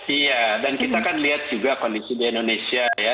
iya dan kita kan lihat juga kondisi di indonesia ya